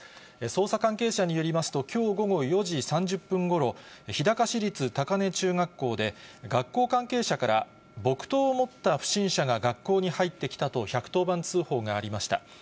捜査関係者によりますと、きょう午後４時３０分ごろ、日高市立高根中学校で、学校関係者から、木刀を持った不審者が学校に入ってきたと、１１０番通報がありました。